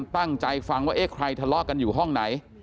ตั้งใจฟังว่าเอ๊ะใครทะเลาะกันอยู่ห้องไหน